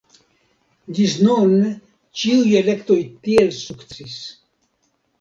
Ĝis nun ĉiuj elektoj tiel sukcesis.